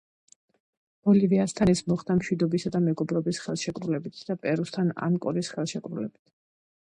ბოლივიასთან ეს მოხდა მშვიდობისა და მეგობრობის ხელშეკრულებით და პერუსთან ანკონის ხელშეკრულებით.